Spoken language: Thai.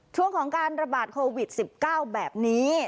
ช่วงของการระบาดโควิดสิบเก้าแบบนี้